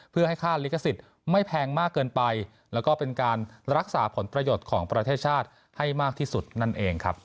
เพื่อให้ค่าลิขสิทธิ์ไม่แพงมากเกินไปแล้วก็เป็นการรักษาผลประโยชน์ของประเทศชาติให้มากที่สุดนั่นเองครับ